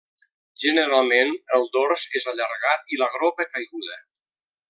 Generalment, el dors és allargat i la gropa caiguda.